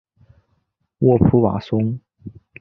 沃普瓦松。